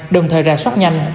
đồng thời ra soát nhanh